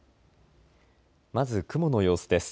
まず雲の様子です。